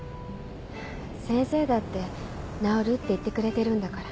先生だって治るって言ってくれてるんだから。